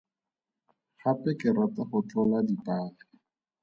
Gape ke rata go tlola dipale.